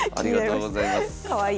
かわいい。